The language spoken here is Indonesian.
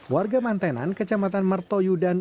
warga mantenan kecamatan martoyu dan